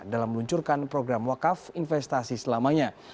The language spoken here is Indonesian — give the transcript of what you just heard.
dalam meluncurkan program wakaf investasi selamanya